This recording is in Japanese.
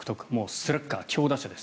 スラッガー、強打者です。